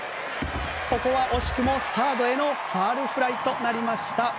ここは惜しくもサードへのファウルフライとなりました。